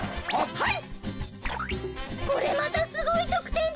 はい。